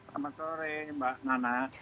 selamat sore mbak nana